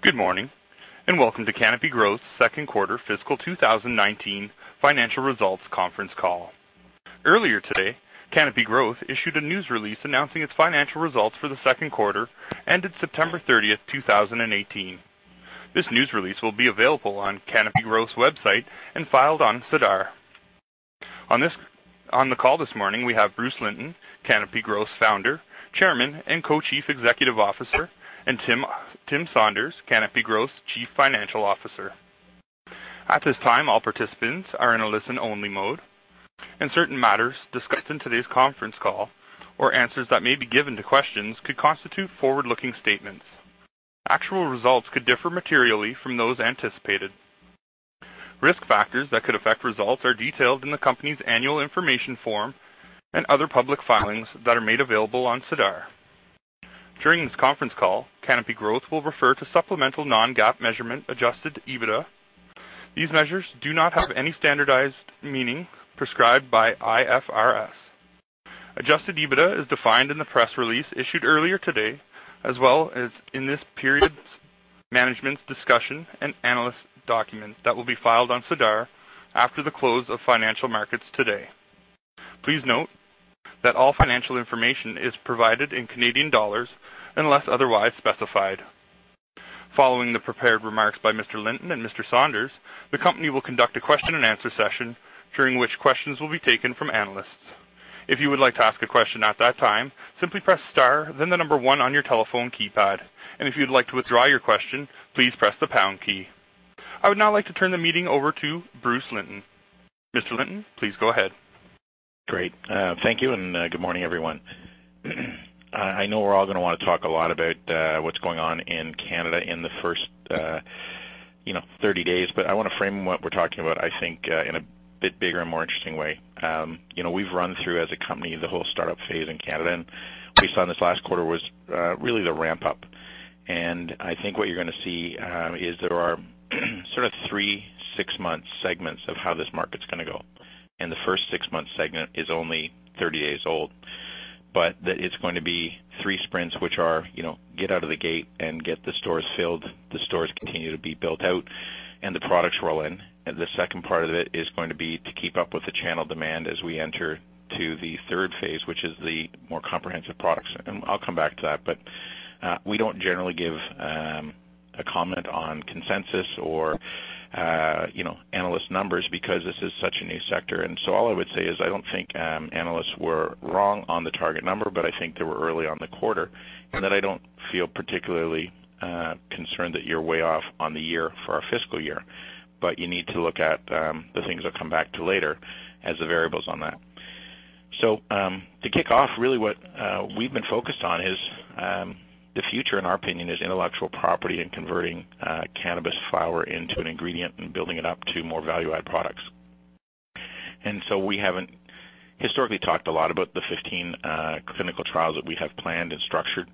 Good morning. Welcome to Canopy Growth's second quarter fiscal 2019 financial results conference call. Earlier today, Canopy Growth issued a news release announcing its financial results for the second quarter ended September 30th, 2018. This news release will be available on Canopy Growth's website and filed on SEDAR. On the call this morning, we have Bruce Linton, Canopy Growth's Founder, Chairman, and Co-Chief Executive Officer, and Tim Saunders, Canopy Growth's Chief Financial Officer. At this time, all participants are in a listen-only mode, and certain matters discussed in today's conference call or answers that may be given to questions could constitute forward-looking statements. Actual results could differ materially from those anticipated. Risk factors that could affect results are detailed in the company's annual information form and other public filings that are made available on SEDAR. During this conference call, Canopy Growth will refer to supplemental non-GAAP measurement adjusted EBITDA. These measures do not have any standardized meaning prescribed by IFRS. Adjusted EBITDA is defined in the press release issued earlier today, as well as in this period's management's discussion and analyst document that will be filed on SEDAR after the close of financial markets today. Please note that all financial information is provided in Canadian dollars unless otherwise specified. Following the prepared remarks by Mr. Linton and Mr. Saunders, the company will conduct a question and answer session during which questions will be taken from analysts. If you would like to ask a question at that time, simply press star then the number one on your telephone keypad. If you'd like to withdraw your question, please press the pound key. I would now like to turn the meeting over to Bruce Linton. Mr. Linton, please go ahead. Great. Thank you. Good morning, everyone. I know we're all going to want to talk a lot about what's going on in Canada in the first 30 days. I want to frame what we're talking about, I think, in a bit bigger and more interesting way. We've run through, as a company, the whole startup phase in Canada, and we saw this last quarter was really the ramp-up. I think what you're going to see is there are sort of three six-month segments of how this market's going to go. The first six-month segment is only 30 days old. That it's going to be three sprints which are get out of the gate and get the stores filled, the stores continue to be built out and the products roll in. The second part of it is going to be to keep up with the channel demand as we enter to the third phase, which is the more comprehensive products. I'll come back to that, but we don't generally give a comment on consensus or analyst numbers because this is such a new sector. All I would say is I don't think analysts were wrong on the target number. I think they were early on the quarter, and that I don't feel particularly concerned that you're way off on the year for our fiscal year. You need to look at the things I'll come back to later as the variables on that. To kick off, really what we've been focused on is the future, in our opinion, is intellectual property and converting cannabis flower into an ingredient and building it up to more value-add products. We haven't historically talked a lot about the 15 clinical trials that we have planned and structured.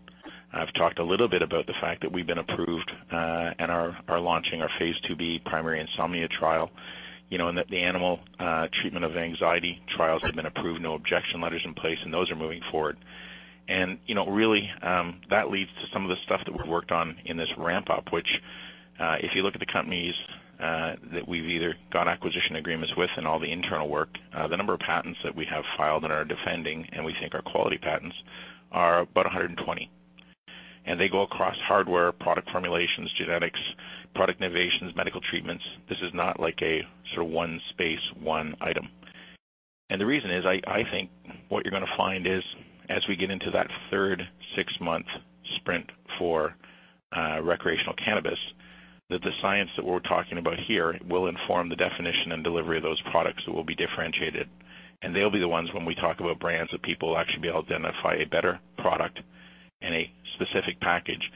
I've talked a little bit about the fact that we've been approved and are launching our Phase IIB primary insomnia trial. The animal treatment of anxiety trials have been approved, no objection letters in place, and those are moving forward. That leads to some of the stuff that we've worked on in this ramp-up, which, if you look at the companies that we've either got acquisition agreements with and all the internal work, the number of patents that we have filed and are defending, and we think are quality patents, are about 120. They go across hardware, product formulations, genetics, product innovations, medical treatments. This is not like a sort of one space, one item. The reason is, I think what you're going to find is as we get into that third six-month sprint for recreational cannabis, that the science that we're talking about here will inform the definition and delivery of those products that will be differentiated. They'll be the ones when we talk about brands that people will actually be able to identify a better product in a specific package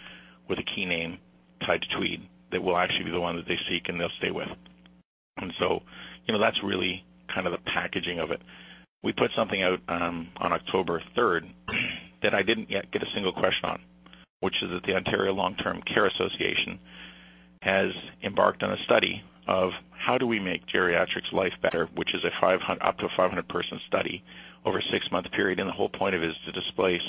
with a key name tied to Tweed that will actually be the one that they seek and they'll stay with. That's really the packaging of it. We put something out on October 3rd that I didn't yet get a single question on, which is that the Ontario Long Term Care Association has embarked on a study of how do we make geriatrics life better, which is up to a 500-person study over a six-month period. The whole point of it is to displace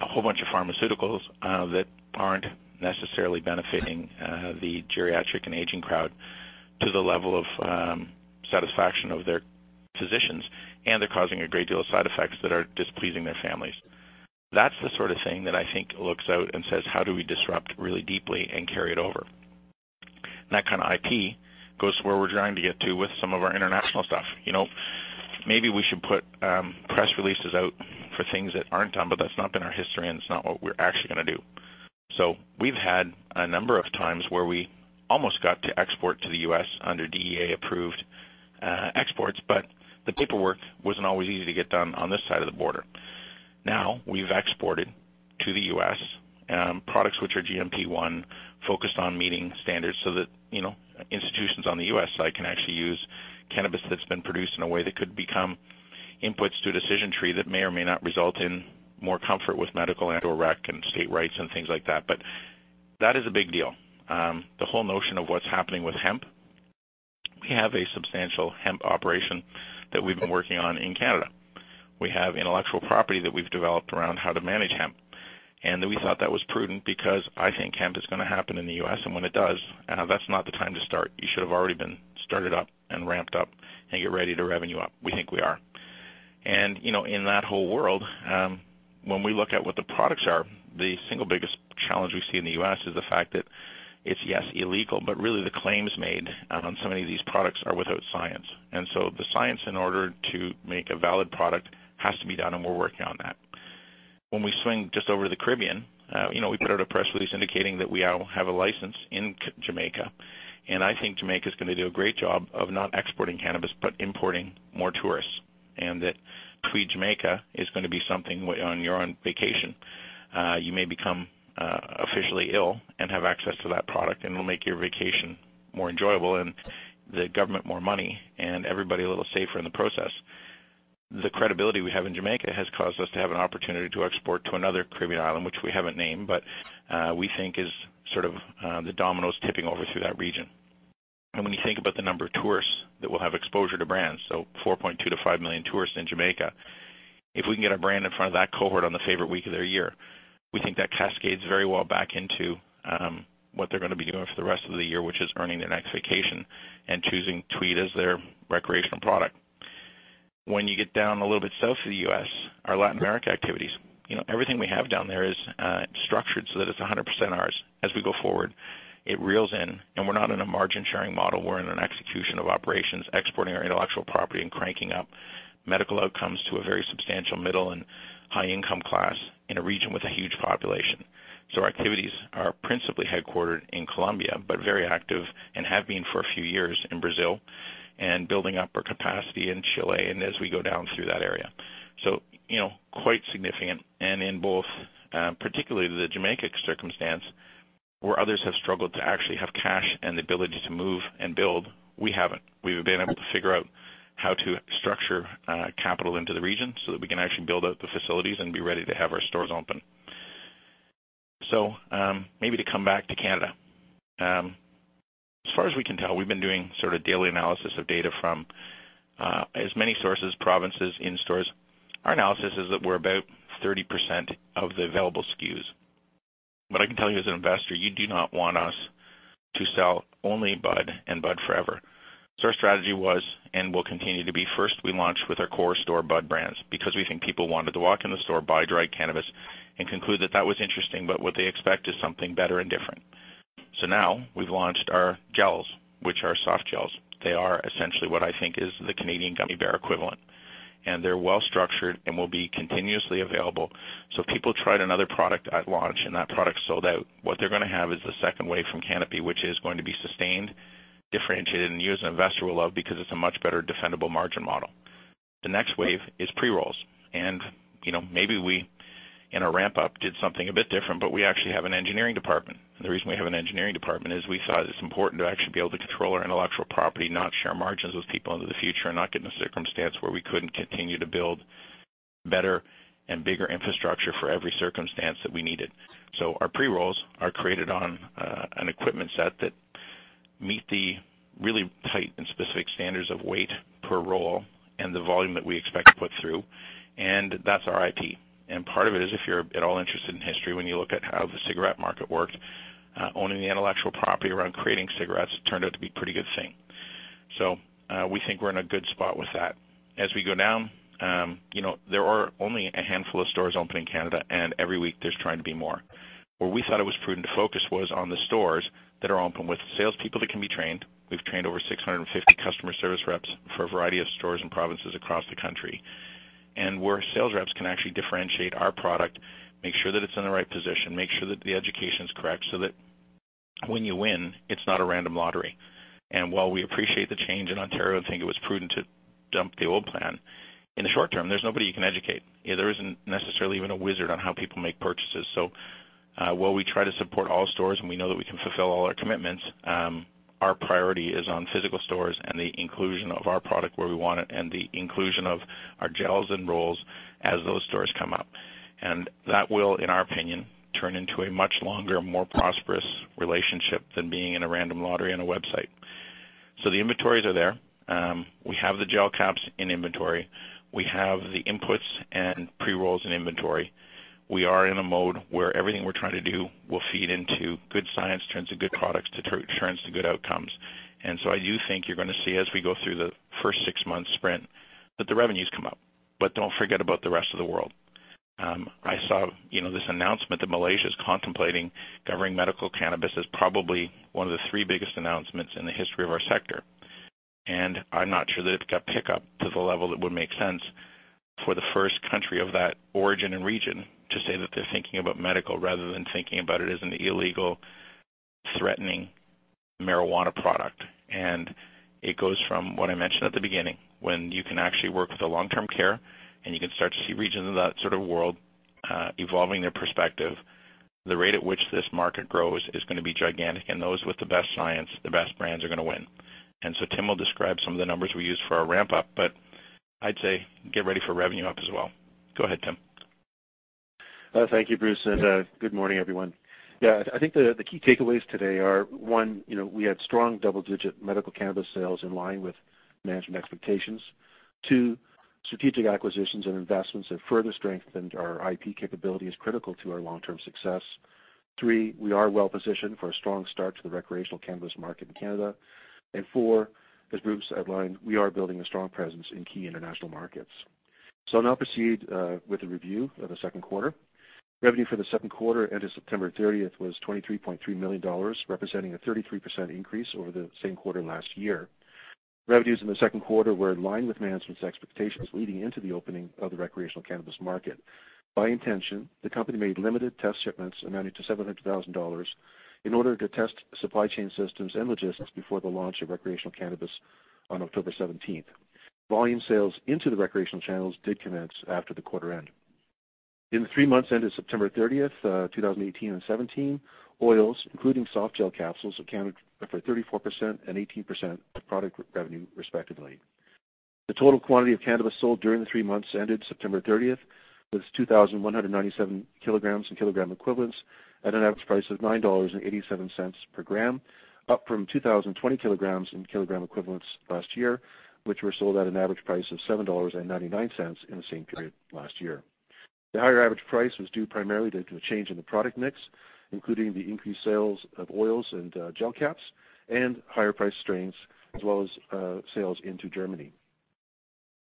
a whole bunch of pharmaceuticals that aren't necessarily benefiting the geriatric and aging crowd to the level of satisfaction of their physicians. They're causing a great deal of side effects that are displeasing their families. That's the sort of thing that I think looks out and says, how do we disrupt really deeply and carry it over? That kind of IP goes to where we're trying to get to with some of our international stuff. Maybe we should put press releases out for things that aren't done, but that's not been our history, and it's not what we're actually going to do. We've had a number of times where we almost got to export to the U.S. under DEA-approved exports, but the paperwork wasn't always easy to get done on this side of the border. Now we've exported to the U.S. products which are GMP ones, focused on meeting standards so that institutions on the U.S. side can actually use cannabis that's been produced in a way that could become inputs to a decision tree that may or may not result in more comfort with medical and or rec and state rights and things like that. That is a big deal. The whole notion of what's happening with hemp. We have a substantial hemp operation that we've been working on in Canada. We have intellectual property that we've developed around how to manage hemp, and that we thought that was prudent because I think hemp is going to happen in the U.S., and when it does, that's not the time to start. You should have already been started up and ramped up and get ready to revenue up. We think we are. In that whole world, when we look at what the products are, the single biggest challenge we see in the U.S. is the fact that it's, yes, illegal, but really the claims made on so many of these products are without science. The science, in order to make a valid product, has to be done, and we're working on that. When we swing just over to the Caribbean, we put out a press release indicating that we now have a license in Jamaica. I think Jamaica is going to do a great job of not exporting cannabis, but importing more tourists. That Tweed Jamaica is going to be something, when you're on vacation, you may become officially ill and have access to that product, and it'll make your vacation more enjoyable and the government more money, and everybody a little safer in the process. The credibility we have in Jamaica has caused us to have an opportunity to export to another Caribbean island, which we haven't named, but we think is the dominoes tipping over through that region. When you think about the number of tourists that will have exposure to brands, so 4.2 million to 5 million tourists in Jamaica, if we can get our brand in front of that cohort on the favorite week of their year, we think that cascades very well back into what they're going to be doing for the rest of the year, which is earning their next vacation and choosing Tweed as their recreational product. When you get down a little bit south of the U.S., our Latin America activities, everything we have down there is structured so that it's 100% ours as we go forward. It reels in, and we're not in a margin-sharing model, we're in an execution of operations, exporting our intellectual property and cranking up medical outcomes to a very substantial middle and high income class in a region with a huge population. Our activities are principally headquartered in Colombia, but very active and have been for a few years in Brazil and building up our capacity in Chile and as we go down through that area. Quite significant. In both, particularly the Jamaica circumstance, where others have struggled to actually have cash and the ability to move and build, we haven't. We've been able to figure out how to structure capital into the region so that we can actually build out the facilities and be ready to have our stores open. Maybe to come back to Canada. As far as we can tell, we've been doing daily analysis of data from as many sources, provinces, in stores. Our analysis is that we're about 30% of the available SKUs. I can tell you as an investor, you do not want us to sell only bud and bud forever. Our strategy was and will continue to be, first we launch with our core store bud brands because we think people wanted to walk in the store, buy dried cannabis and conclude that that was interesting, but what they expect is something better and different. Now we've launched our gels, which are softgels. They are essentially what I think is the Canadian gummy bear equivalent. They're well-structured and will be continuously available. People tried another product at launch and that product sold out. What they're going to have is the second wave from Canopy, which is going to be sustained, differentiated, and you as an investor will love because it's a much better defendable margin model. The next wave is pre-rolls. Maybe we, in our ramp-up, did something a bit different, but we actually have an engineering department. The reason we have an engineering department is we saw that it's important to actually be able to control our intellectual property, not share margins with people into the future and not get in a circumstance where we couldn't continue to build better and bigger infrastructure for every circumstance that we needed. Our pre-rolls are created on an equipment set that meet the really tight and specific standards of weight per roll and the volume that we expect to put through. That's our IP. Part of it is, if you're at all interested in history, when you look at how the cigarette market worked, owning the intellectual property around creating cigarettes turned out to be a pretty good thing. We think we're in a good spot with that. As we go down, there are only a handful of stores open in Canada, and every week there's trying to be more. Where we thought it was prudent to focus was on the stores that are open with salespeople that can be trained. We've trained over 650 customer service reps for a variety of stores and provinces across the country. Where sales reps can actually differentiate our product, make sure that it's in the right position, make sure that the education's correct so that when you win, it's not a random lottery. While we appreciate the change in Ontario and think it was prudent to dump the old plan, in the short term, there's nobody you can educate. There isn't necessarily even a wizard on how people make purchases. While we try to support all stores and we know that we can fulfill all our commitments, our priority is on physical stores and the inclusion of our product where we want it and the inclusion of our gels and rolls as those stores come up. That will, in our opinion, turn into a much longer, more prosperous relationship than being in a random lottery on a website. The inventories are there. We have the gel caps in inventory. We have the inputs and pre-rolls in inventory. We are in a mode where everything we're trying to do will feed into good science turns to good products to turns to good outcomes. I do think you're going to see as we go through the first six months sprint, that the revenues come up. Don't forget about the rest of the world. I saw this announcement that Malaysia is contemplating covering medical cannabis as probably one of the three biggest announcements in the history of our sector. I'm not sure that it got pickup to the level that would make sense for the first country of that origin and region to say that they're thinking about medical rather than thinking about it as an illegal, threatening marijuana product. It goes from what I mentioned at the beginning, when you can actually work with the long-term care and you can start to see regions of that sort of world evolving their perspective, the rate at which this market grows is going to be gigantic, and those with the best science, the best brands are going to win. Tim will describe some of the numbers we used for our ramp-up, but I'd say get ready for revenue up as well. Go ahead, Tim. Thank you, Bruce, and good morning, everyone. I think the key takeaways today are, one, we had strong double-digit medical cannabis sales in line with management expectations. Two, strategic acquisitions and investments have further strengthened our IP capabilities, critical to our long-term success. Three, we are well-positioned for a strong start to the recreational cannabis market in Canada. Four, as Bruce outlined, we are building a strong presence in key international markets. I'll now proceed with the review of the second quarter. Revenue for the second quarter ended September 30th was 23.3 million dollars, representing a 33% increase over the same quarter last year. Revenues in the second quarter were in line with management's expectations leading into the opening of the recreational cannabis market. By intention, the company made limited test shipments amounting to 700,000 dollars in order to test supply chain systems and logistics before the launch of recreational cannabis on October 17th. Volume sales into the recreational channels did commence after the quarter end. In the three months ended September 30th, 2018 and 2017, oils, including softgel capsules, accounted for 34% and 18% of product revenue, respectively. The total quantity of cannabis sold during the three months ended September 30th was 2,197 kilograms and kilogram equivalents at an average price of 9.87 dollars per gram, up from 2,020 kilograms and kilogram equivalents last year, which were sold at an average price of 7.99 dollars in the same period last year. The higher average price was due primarily to the change in the product mix, including the increased sales of oils and gel caps and higher-priced strains, as well as sales into Germany.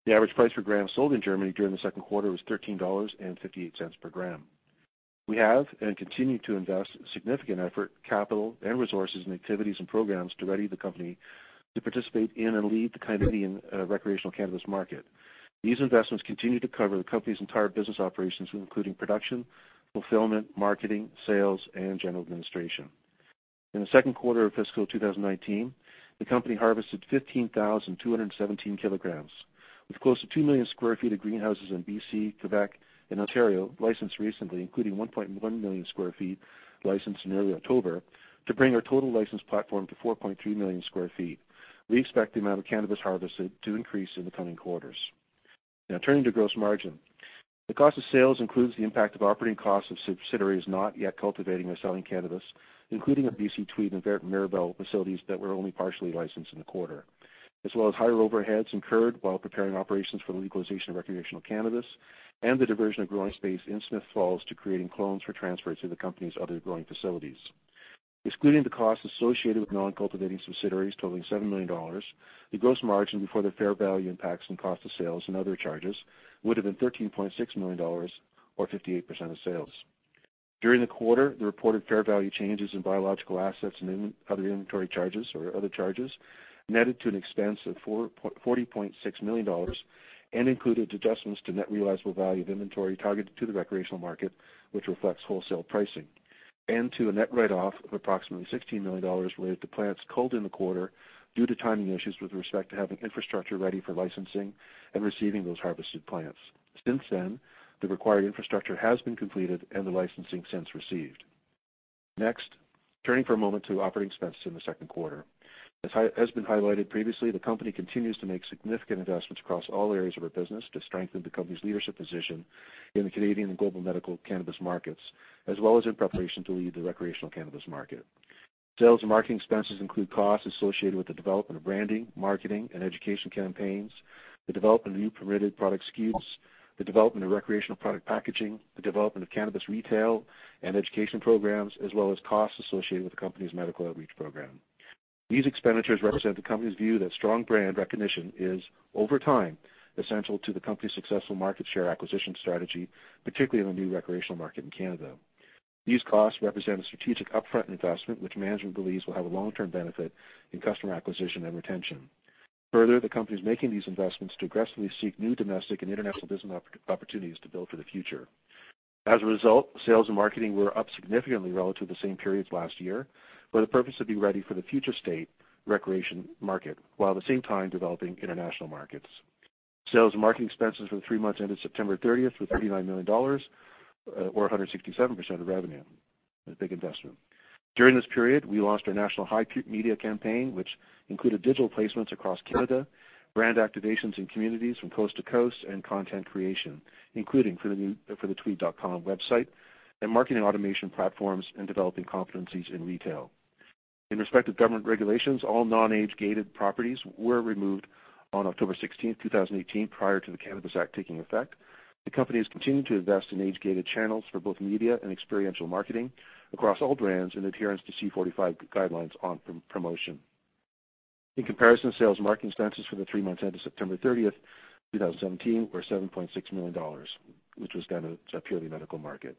The average price per gram sold in Germany during the second quarter was 13.58 dollars per gram. We have and continue to invest significant effort, capital and resources in activities and programs to ready the company to participate in and lead the Canadian recreational cannabis market. These investments continue to cover the company's entire business operations, including production, fulfillment, marketing, sales, and general administration. In the second quarter of fiscal 2019, the company harvested 15,217 kilograms, with close to two million sq ft of greenhouses in B.C., Quebec, and Ontario licensed recently, including 1.1 million sq ft licensed in early October, to bring our total licensed platform to 4.3 million sq ft. We expect the amount of cannabis harvested to increase in the coming quarters. Turning to gross margin. The cost of sales includes the impact of operating costs of subsidiaries not yet cultivating or selling cannabis, including our BC Tweed and Mirabel facilities that were only partially licensed in the quarter, as well as higher overheads incurred while preparing operations for the legalization of recreational cannabis, and the diversion of growing space in Smiths Falls to creating clones for transfer to the company's other growing facilities. Excluding the costs associated with non-cultivating subsidiaries totaling 7 million dollars, the gross margin before the fair value impacts on cost of sales and other charges would have been 13.6 million dollars, or 58% of sales. During the quarter, the reported fair value changes in biological assets and other inventory charges, or other charges, netted to an expense of 40.6 million dollars and included adjustments to net realizable value of inventory targeted to the recreational market, which reflects wholesale pricing, and to a net write-off of approximately 16 million dollars related to plants culled in the quarter due to timing issues with respect to having infrastructure ready for licensing and receiving those harvested plants. Since then, the required infrastructure has been completed and the licensing since received. Turning for a moment to operating expenses in the second quarter. As has been highlighted previously, the company continues to make significant investments across all areas of our business to strengthen the company's leadership position in the Canadian and global medical cannabis markets, as well as in preparation to lead the recreational cannabis market. Sales and marketing expenses include costs associated with the development of branding, marketing, and education campaigns, the development of new permitted product SKUs, the development of recreational product packaging, the development of cannabis retail and education programs, as well as costs associated with the company's medical outreach program. These expenditures represent the company's view that strong brand recognition is, over time, essential to the company's successful market share acquisition strategy, particularly in the new recreational market in Canada. These costs represent a strategic upfront investment, which management believes will have a long-term benefit in customer acquisition and retention. The company is making these investments to aggressively seek new domestic and international business opportunities to build for the future. Sales and marketing were up significantly relative to the same periods last year for the purpose of being ready for the future state recreation market, while at the same time developing international markets. Sales and marketing expenses for the three months ended September 30th were 39 million dollars, or 167% of revenue. A big investment. During this period, we launched our national Hiku Media campaign, which included digital placements across Canada, brand activations in communities from coast to coast, and content creation, including for the tweed.com website and marketing automation platforms and developing competencies in retail. In respect to government regulations, all non-age-gated properties were removed on October 16th, 2018, prior to the Cannabis Act taking effect. The company has continued to invest in age-gated channels for both media and experiential marketing across all brands in adherence to C-45 guidelines on promotion. In comparison, sales and marketing expenses for the three months ended September 30th, 2017, were 7.6 million dollars, which was then a purely medical market.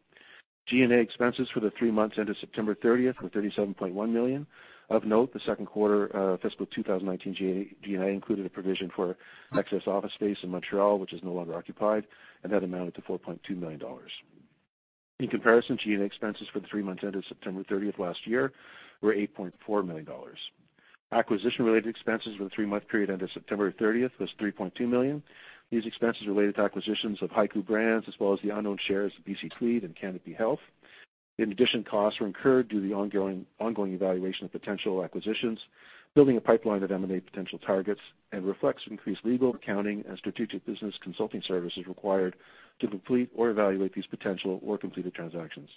G&A expenses for the three months ended September 30th were 37.1 million. Of note, the second quarter fiscal 2019 G&A included a provision for excess office space in Montreal, which is no longer occupied, and that amounted to 4.2 million dollars. In comparison, G&A expenses for the three months ended September 30th last year were 8.4 million dollars. Acquisition-related expenses for the three-month period ended September 30th was 3.2 million. These expenses related to acquisitions of Hiku Brands, as well as the unowned shares of BC Tweed and Canopy Health. In addition, costs were incurred due to the ongoing evaluation of potential acquisitions, building a pipeline of M&A potential targets, and reflects increased legal, accounting, and strategic business consulting services required to complete or evaluate these potential or completed transactions.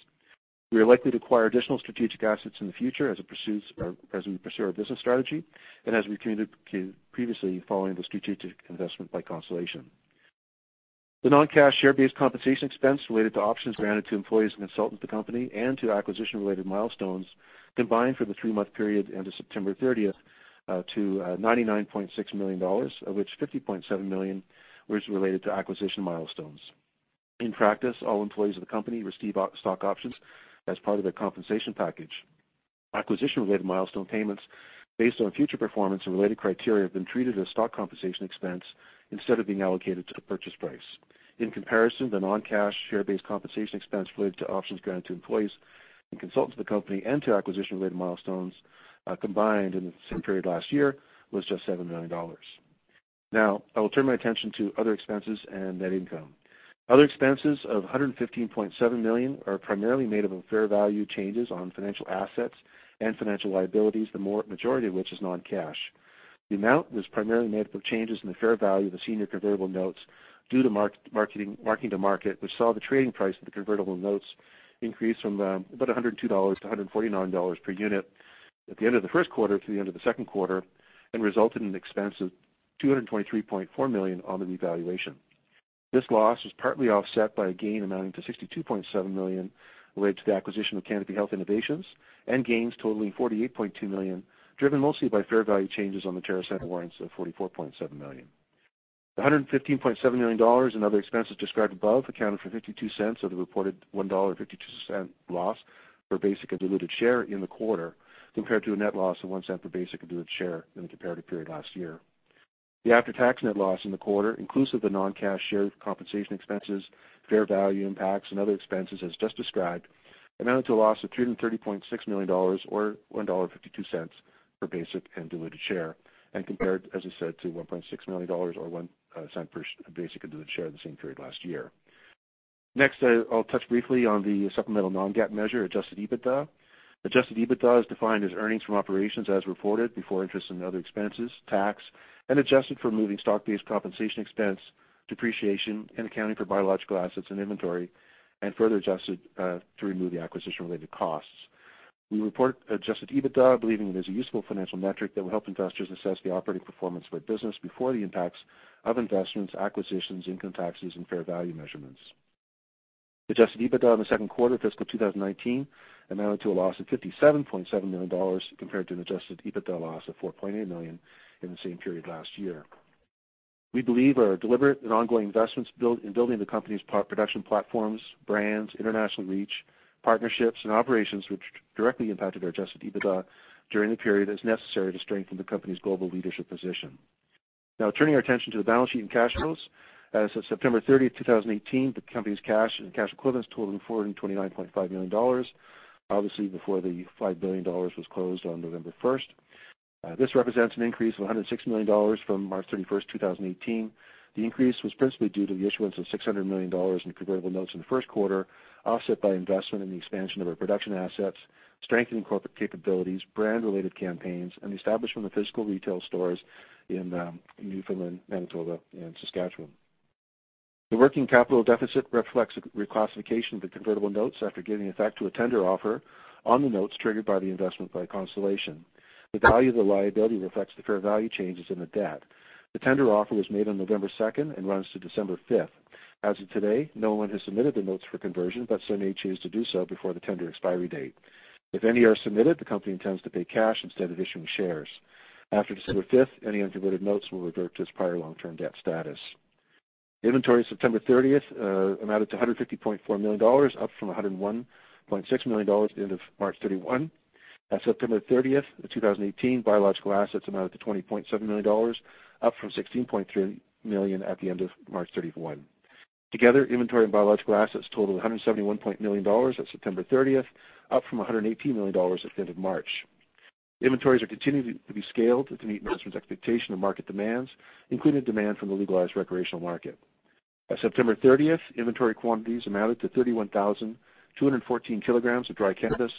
We are likely to acquire additional strategic assets in the future as we pursue our business strategy and as we communicated previously following the strategic investment by Constellation. The non-cash share-based compensation expense related to options granted to employees and consultants of the company and to acquisition-related milestones combined for the three-month period ending September 30th to 99.6 million dollars, of which 50.7 million was related to acquisition milestones. In practice, all employees of the company receive stock options as part of their compensation package. Acquisition-related milestone payments based on future performance and related criteria have been treated as stock compensation expense instead of being allocated to the purchase price. In comparison, the non-cash share-based compensation expense related to options granted to employees and consultants of the company and to acquisition-related milestones combined in the same period last year was just 7 million dollars. Now, I will turn my attention to other expenses and net income. Other expenses of 115.7 million are primarily made up of fair value changes on financial assets and financial liabilities, the majority of which is non-cash. The amount was primarily made up of changes in the fair value of the senior convertible notes due to marking to market, which saw the trading price of the convertible notes increase from about 102 dollars to 149 dollars per unit at the end of the first quarter to the end of the second quarter and resulted in an expense of CAD 223.4 million on the revaluation. This loss was partly offset by a gain amounting to CAD 62.7 million related to the acquisition of Canopy Health Innovations and gains totaling CAD 48.2 million, driven mostly by fair value changes on the TerrAscend warrants of CAD 44.7 million. The CAD 115.7 million in other expenses described above accounted for 0.52 of the reported CAD 1.52 loss per basic and diluted share in the quarter, compared to a net loss of 0.01 per basic and diluted share in the comparative period last year. The after-tax net loss in the quarter, inclusive of non-cash share compensation expenses, fair value impacts and other expenses as just described, amounted to a loss of 330.6 million dollars or 1.52 dollar per basic and diluted share and compared, as I said, to 1.6 million dollars or 0.01 per basic and diluted share in the same period last year. Next, I'll touch briefly on the supplemental non-GAAP measure, adjusted EBITDA. Adjusted EBITDA is defined as earnings from operations as reported before interest and other expenses, tax, and adjusted for removing stock-based compensation expense, depreciation, and accounting for biological assets and inventory, and further adjusted to remove the acquisition-related costs. We report adjusted EBITDA, believing it is a useful financial metric that will help investors assess the operating performance of our business before the impacts of investments, acquisitions, income taxes, and fair value measurements. Adjusted EBITDA in the second quarter of fiscal 2019 amounted to a loss of 57.7 million dollars compared to an adjusted EBITDA loss of 4.8 million in the same period last year. We believe our deliberate and ongoing investments in building the company's production platforms, brands, international reach, partnerships, and operations, which directly impacted our adjusted EBITDA during the period, is necessary to strengthen the company's global leadership position. Now turning our attention to the balance sheet and cash flows. As of September 30th, 2018, the company's cash and cash equivalents totaled 429.5 million dollars, obviously before the 5 billion dollars was closed on November 1st. This represents an increase of 106 million dollars from March 31st, 2018. The increase was principally due to the issuance of 600 million dollars in convertible notes in the first quarter, offset by investment in the expansion of our production assets, strengthening corporate capabilities, brand-related campaigns, and the establishment of physical retail stores in Newfoundland, Manitoba, and Saskatchewan. The working capital deficit reflects a reclassification of the convertible notes after giving effect to a tender offer on the notes triggered by the investment by Constellation. The value of the liability reflects the fair value changes in the debt. The tender offer was made on November 2nd and runs to December 5th. As of today, no one has submitted the notes for conversion, but some may choose to do so before the tender expiry date. If any are submitted, the company intends to pay cash instead of issuing shares. After December 5th, any unconverted notes will revert to its prior long-term debt status. Inventory at September 30th amounted to 150.4 million dollars, up from 101.6 million dollars at the end of March 31. At September 30th of 2018, biological assets amounted to 20.7 million dollars, up from 16.3 million at the end of March 31. Together, inventory and biological assets totaled 171 million dollars at September 30th, up from 118 million dollars at the end of March. Inventories are continuing to be scaled to meet management's expectation of market demands, including demand from the legalized recreational market. By September 30th, inventory quantities amounted to 31,214 kilograms of dry cannabis,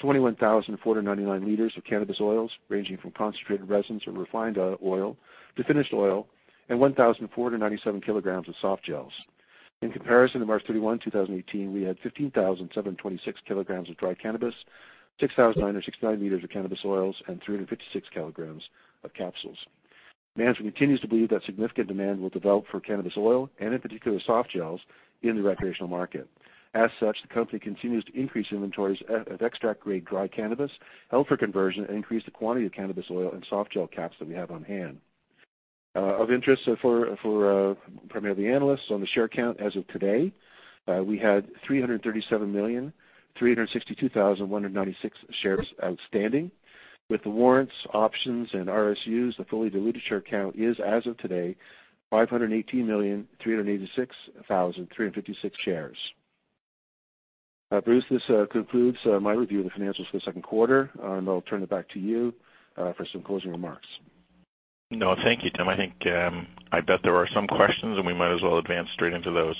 21,499 liters of cannabis oils ranging from concentrated resins or refined oil to finished oil, and 1,497 kilograms of softgels. In comparison, at March 31, 2018, we had 15,726 kilograms of dry cannabis, 6,969 liters of cannabis oils, and 356 kilograms of capsules. Management continues to believe that significant demand will develop for cannabis oil and, in particular, softgels in the recreational market. As such, the company continues to increase inventories of extract-grade dry cannabis held for conversion and increase the quantity of cannabis oil and softgel caps that we have on hand. Of interest for primarily analysts on the share count as of today, we had 337,362,196 shares outstanding. With the warrants, options, and RSUs, the fully diluted share count is, as of today, 518,386,356 shares. Bruce, this concludes my review of the financials for the second quarter, and I'll turn it back to you for some closing remarks. Thank you, Tim. I think, I bet there are some questions, we might as well advance straight into those.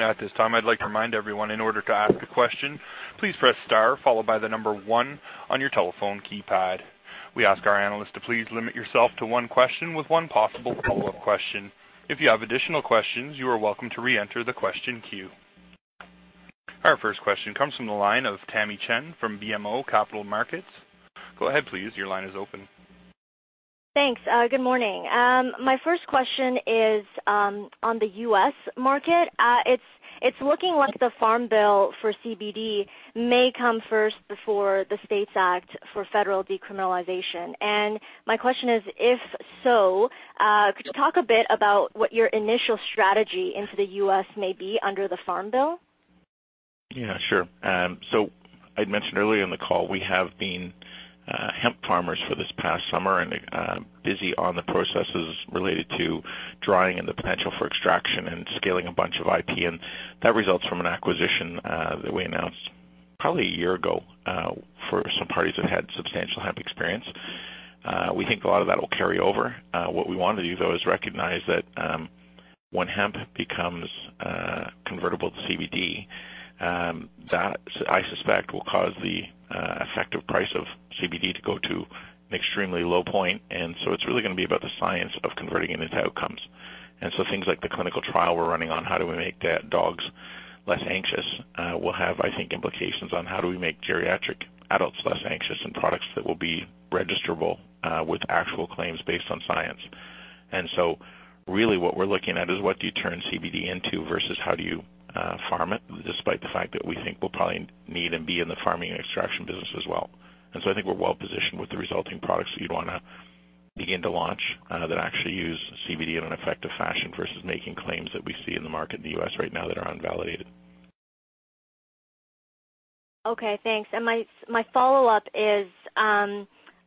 At this time, I'd like to remind everyone, in order to ask a question, please press star followed by the number one on your telephone keypad. We ask our analysts to please limit yourself to one question with one possible follow-up question. If you have additional questions, you are welcome to reenter the question queue. Our first question comes from the line of Tamy Chen from BMO Capital Markets. Go ahead, please. Your line is open. Thanks. Good morning. My first question is on the U.S. market. It's looking like the Farm Bill for CBD may come first before the STATES Act for federal decriminalization. My question is, if so, could you talk a bit about what your initial strategy into the U.S. may be under the Farm Bill? Yeah, sure. I'd mentioned earlier in the call, we have been hemp farmers for this past summer and busy on the processes related to drying and the potential for extraction and scaling a bunch of IP. That results from an acquisition that we announced probably a year ago for some parties that had substantial hemp experience. We think a lot of that will carry over. What we want to do, though, is recognize that when hemp becomes convertible to CBD, that, I suspect, will cause the effective price of CBD to go to an extremely low point. It's really going to be about the science of converting it into outcomes. And so things like the clinical trial we're running on how do we make dogs less anxious will have, I think, implications on how do we make geriatric adults less anxious and products that will be registerable with actual claims based on science. And so really what we're looking at is what do you turn CBD into versus how do you farm it, despite the fact that we think we'll probably need and be in the farming and extraction business as well. And so I think we're well positioned with the resulting products that you'd want to begin to launch that actually use CBD in an effective fashion versus making claims that we see in the market in the US right now that are unvalidated. Things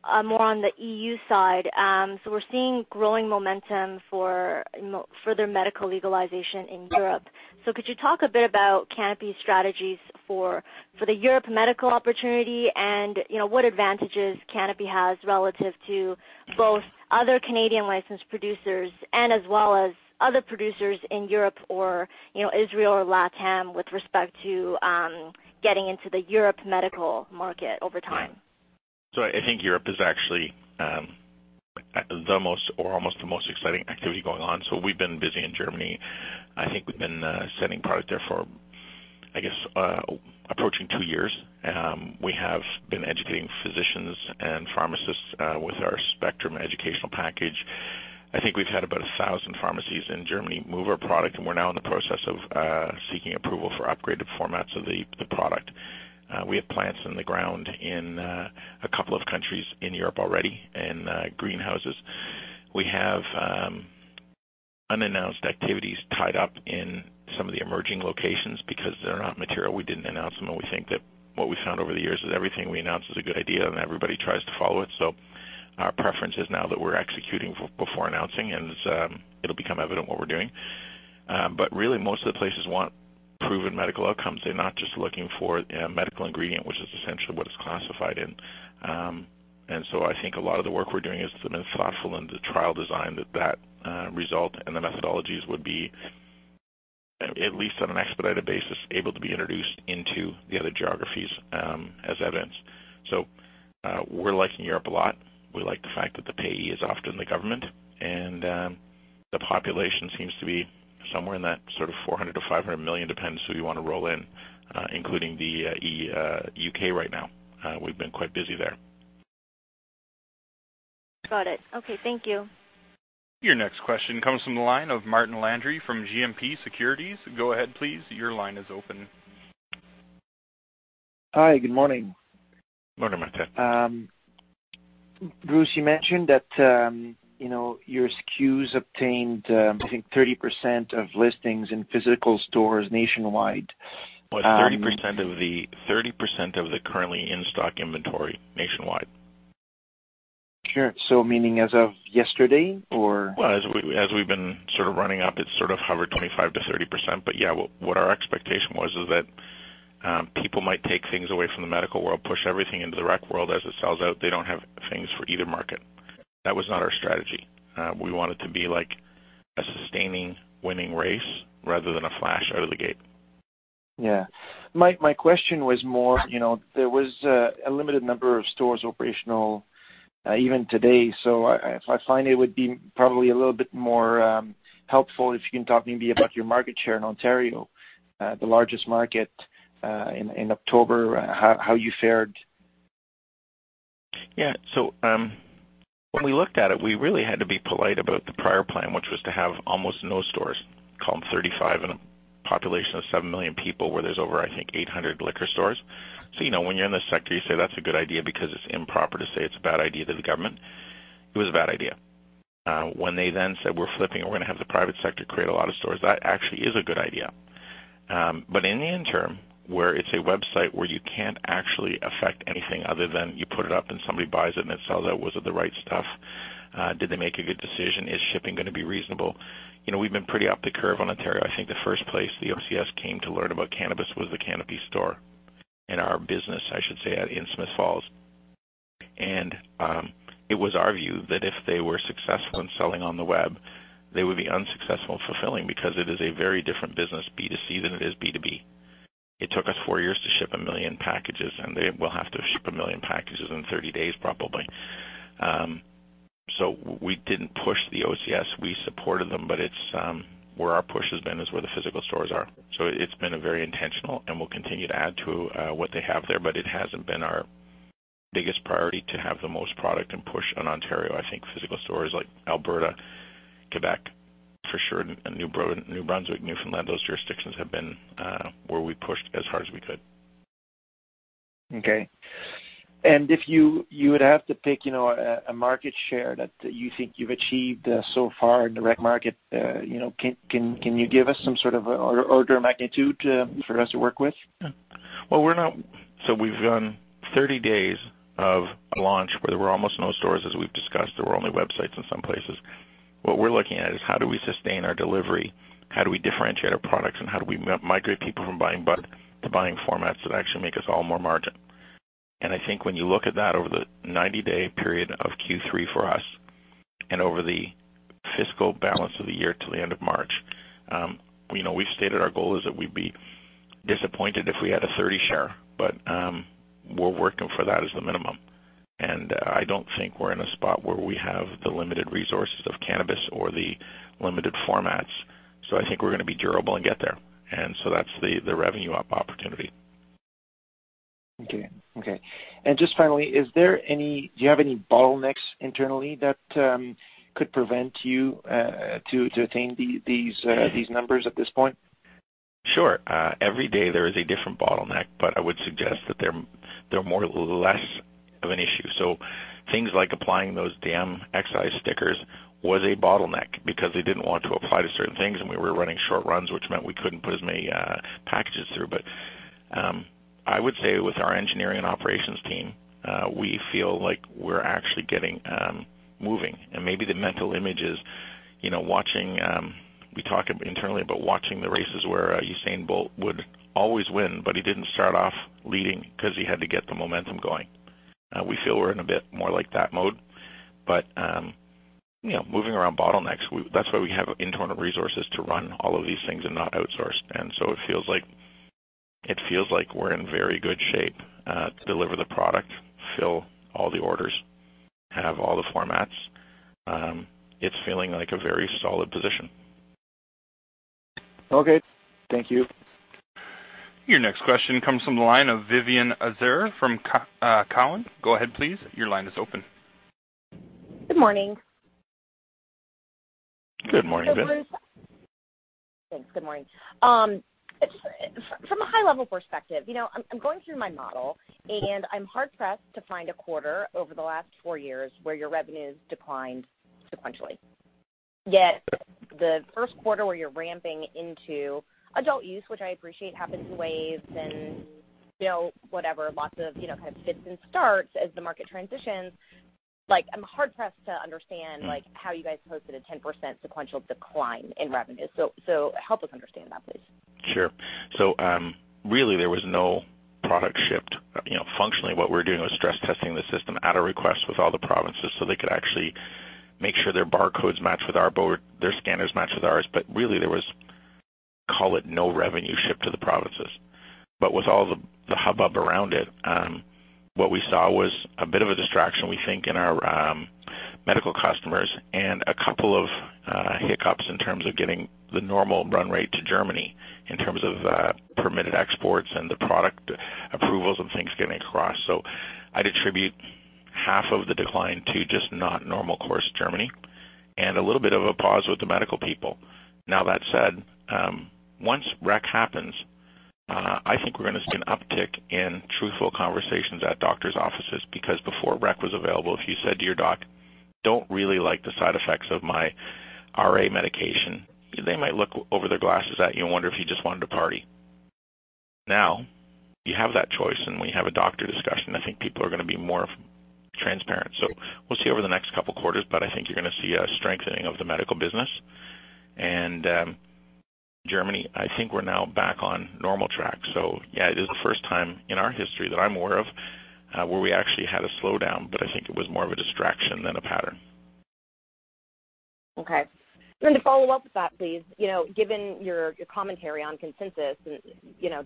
like the clinical trial we're running on how do we make dogs less anxious will have, I think, implications on how do we make geriatric adults less anxious and products that will be registerable with actual claims based on science. Really what we're looking at is what do you turn CBD into versus how do you farm it, despite the fact that we think we'll probably need and be in the farming and extraction business as well. I think we're well positioned with the resulting products that you'd want to begin to launch that actually use CBD in an effective fashion versus making claims that we see in the market in the U.S. right now that are unvalidated. Yeah. I think Europe is actually the most, or almost the most exciting activity going on. We've been busy in Germany. I think we've been sending product there for, I guess, approaching 2 years. We have been educating physicians and pharmacists with our spectrum educational package. I think we've had about 1,000 pharmacies in Germany move our product, and we're now in the process of seeking approval for upgraded formats of the product. We have plants in the ground in a couple of countries in Europe already and greenhouses. We have unannounced activities tied up in some of the emerging locations because they're not material, we didn't announce them, and we think that what we found over the years is everything we announce is a good idea and everybody tries to follow it. Our preference is now that we're executing before announcing, and it'll become evident what we're doing. Really, most of the places want proven medical outcomes. They're not just looking for a medical ingredient, which is essentially what it's classified in. I think a lot of the work we're doing has been thoughtful in the trial design that result and the methodologies would be, at least on an expedited basis, able to be introduced into the other geographies as evidence. We're liking Europe a lot. We like the fact that the payer is often the government, and the population seems to be somewhere in that sort of 400 million-500 million, depends who you want to roll in, including the U.K. right now. We've been quite busy there. Got it. Okay. Thank you. Your next question comes from the line of Martin Landry from GMP Securities. Go ahead, please. Your line is open. Hi. Good morning. Morning, Martin. Bruce, you mentioned that your SKUs obtained, I think, 30% of listings in physical stores nationwide. Well, 30% of the currently in-stock inventory nationwide. Sure. Meaning as of yesterday, or? As we've been sort of running up, it's sort of hovered 25%-30%. Yeah, what our expectation was is that people might take things away from the medical world, push everything into the rec world. As it sells out, they don't have things for either market. That was not our strategy. We want it to be like a sustaining winning race rather than a flash out of the gate. My question was more, there was a limited number of stores operational even today. I find it would be probably a little bit more helpful if you can talk maybe about your market share in Ontario, the largest market, in October, how you fared. When we looked at it, we really had to be polite about the prior plan, which was to have almost no stores, call them 35 in a population of 7 million people where there's over, I think, 800 liquor stores. When you're in the sector, you say that's a good idea because it's improper to say it's a bad idea to the government. It was a bad idea. When they then said, "We're flipping, and we're going to have the private sector create a lot of stores," that actually is a good idea. In the interim, where it's a website where you can't actually affect anything other than you put it up and somebody buys it and it sells out, was it the right stuff? Did they make a good decision? Is shipping going to be reasonable? We've been pretty up the curve on Ontario. I think the first place the OCS came to learn about cannabis was the Canopy store. In our business, I should say, in Smiths Falls. It was our view that if they were successful in selling on the web, they would be unsuccessful in fulfilling because it is a very different business, B2C than it is B2B. It took us four years to ship a million packages, and they will have to ship a million packages in 30 days, probably. We didn't push the OCS. We supported them, but where our push has been is where the physical stores are. It's been very intentional, and we'll continue to add to what they have there, but it hasn't been our biggest priority to have the most product and push in Ontario. I think physical stores like Alberta, Quebec, for sure, New Brunswick, Newfoundland, those jurisdictions have been where we pushed as hard as we could. Okay. If you would have to pick a market share that you think you've achieved so far in the rec market, can you give us some sort of order of magnitude for us to work with? We've gone 30 days of launch where there were almost no stores, as we've discussed. There were only websites in some places. What we're looking at is how do we sustain our delivery? How do we differentiate our products, and how do we migrate people from buying bud to buying formats that actually make us all more margin? I think when you look at that over the 90-day period of Q3 for us and over the fiscal balance of the year till the end of March. We stated our goal is that we'd be disappointed if we had a 30% share, but we're working for that as the minimum. I don't think we're in a spot where we have the limited resources of cannabis or the limited formats. I think we're going to be durable and get there. That's the revenue up opportunity. Okay. Just finally, do you have any bottlenecks internally that could prevent you to attain these numbers at this point? Sure. Every day there is a different bottleneck. I would suggest that they're more less of an issue. Things like applying those damn excise stickers was a bottleneck because they didn't want to apply to certain things, and we were running short runs, which meant we couldn't put as many packages through. I would say with our engineering and operations team, we feel like we're actually getting moving. Maybe the mental image is watching. We talk internally about watching the races where Usain Bolt would always win, but he didn't start off leading because he had to get the momentum going. We feel we're in a bit more like that mode. Moving around bottlenecks, that's why we have internal resources to run all of these things and not outsource. It feels like we're in very good shape to deliver the product, fill all the orders, have all the formats. It's feeling like a very solid position. Okay. Thank you. Your next question comes from the line of Vivien Azer from Cowen. Go ahead, please. Your line is open. Good morning. Good morning, Vivien. Thanks. Good morning. From a high-level perspective, I'm going through my model, and I'm hard-pressed to find a quarter over the last four years where your revenues declined sequentially. Yet the first quarter where you're ramping into adult use, which I appreciate happens in waves and whatever, lots of kind of fits and starts as the market transitions. I'm hard-pressed to understand how you guys posted a 10% sequential decline in revenues. Help us understand that, please. Sure. Really, there was no product shipped. Functionally, what we were doing was stress testing the system at a request with all the provinces so they could actually make sure their barcodes match with our board, their scanners match with ours. Really there was, call it no revenue shipped to the provinces. With all the hubbub around it, what we saw was a bit of a distraction, we think, in our medical customers and a couple of hiccups in terms of getting the normal run rate to Germany in terms of permitted exports and the product approvals and things getting across. I'd attribute half of the decline to just not normal course Germany, and a little bit of a pause with the medical people. That said, once rec happens, I think we're going to see an uptick in truthful conversations at doctors' offices because before rec was available, if you said to your doc, "Don't really like the side effects of my RA medication," they might look over their glasses at you and wonder if you just wanted to party. Now you have that choice, and when you have a doctor discussion, I think people are going to be more transparent. We'll see over the next couple of quarters, but I think you're going to see a strengthening of the medical business. Germany, I think we're now back on normal track. Yeah, it is the first time in our history that I'm aware of, where we actually had a slowdown, but I think it was more of a distraction than a pattern. Okay. To follow up with that, please. Given your commentary on consensus, and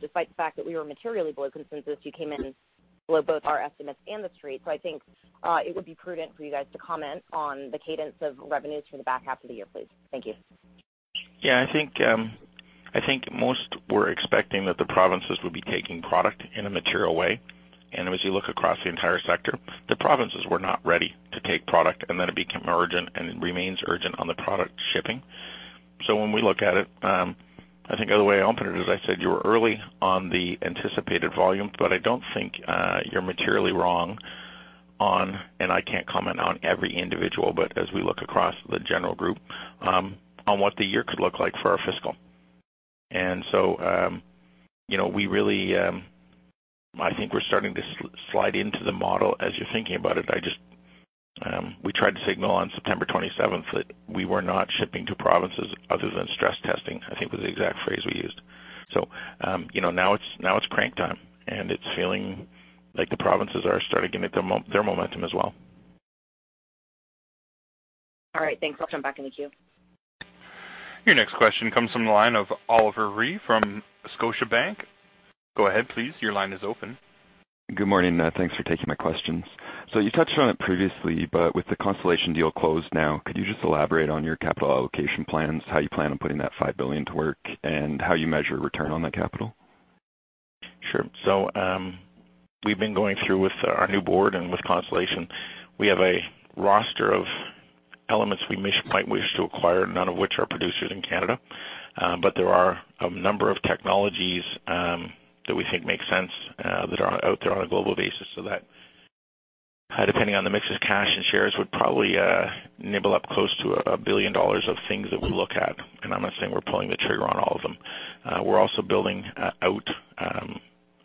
despite the fact that we were materially below consensus, you came in below both our estimates and the street. I think it would be prudent for you guys to comment on the cadence of revenues for the back half of the year, please. Thank you. Yeah, I think most were expecting that the provinces would be taking product in a material way. As you look across the entire sector, the provinces were not ready to take product, then it became urgent, and it remains urgent on the product shipping. When we look at it, I think the other way I opened it is I said you were early on the anticipated volume, but I don't think you're materially wrong on, and I can't comment on every individual, but as we look across the general group, on what the year could look like for our fiscal. I think we're starting to slide into the model as you're thinking about it. We tried to signal on September 27th that we were not shipping to provinces other than stress testing, I think, was the exact phrase we used. Now it's crank time, and it's feeling like the provinces are starting to get their momentum as well. All right. Thanks. I'll jump back in the queue. Your next question comes from the line of Oliver Rowe from Scotiabank. Go ahead, please. Your line is open. Good morning. Thanks for taking my questions. You touched on it previously, but with the Constellation deal closed now, could you just elaborate on your capital allocation plans, how you plan on putting that 5 billion to work, and how you measure return on that capital? Sure. We've been going through with our new board and with Constellation. We have a roster of elements we might wish to acquire, none of which are producers in Canada. There are a number of technologies that we think make sense that are out there on a global basis. That, depending on the mix of cash and shares, would probably nibble up close to 1 billion dollars of things that we look at. I'm not saying we're pulling the trigger on all of them. We're also building out a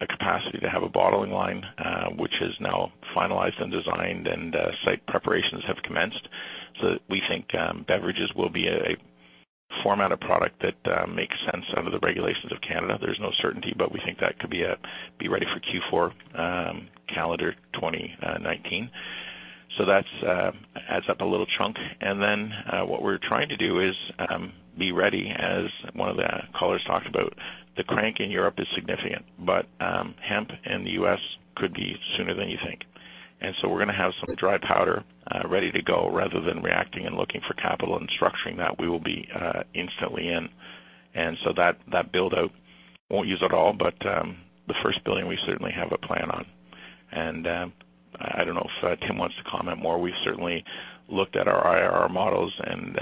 capacity to have a bottling line, which is now finalized and designed, and site preparations have commenced. We think beverages will be a format of product that makes sense under the regulations of Canada. There's no certainty, but we think that could be ready for Q4 calendar 2019. That adds up a little chunk. What we're trying to do is be ready, as one of the callers talked about, the crank in Europe is significant, but hemp in the U.S. could be sooner than you think. We're going to have some dry powder ready to go, rather than reacting and looking for capital and structuring that, we will be instantly in. That build-out won't use it all, but the first 1 billion we certainly have a plan on. I don't know if Tim wants to comment more. We've certainly looked at our IRR models, and